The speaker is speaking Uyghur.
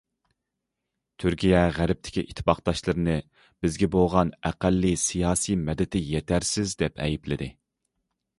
تۈركىيە غەربتىكى ئىتتىپاقداشلىرىنى بىزگە بولغان ئەقەللىي سىياسىي مەدىتى يېتەرسىز دەپ ئەيىبلىدى.